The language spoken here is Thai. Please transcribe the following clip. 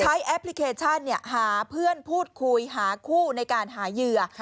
แอปพลิเคชันหาเพื่อนพูดคุยหาคู่ในการหาเหยื่อ